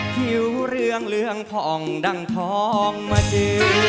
ผิวเรืองเหลืองผ่องดังทองมาเจอ